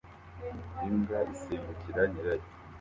imbwa isimbukira nyirayo